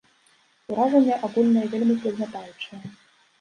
Уражанне агульнае вельмі прыгнятаючае.